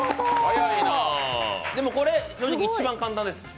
でもこれ、正直、一番簡単です。